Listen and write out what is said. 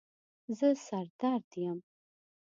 زه سر درد یم